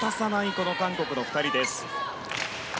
この韓国の２人です。